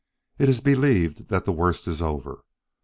"It is believed that the worst is over.